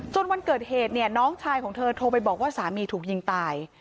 วันเกิดเหตุเนี่ยน้องชายของเธอโทรไปบอกว่าสามีถูกยิงตาย